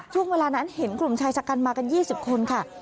ช่วงเวลานั้นเห็นกลุ่มชายชะกันมากัน๒๐คนค่ะ